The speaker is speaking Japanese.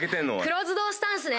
クローズドスタンスね。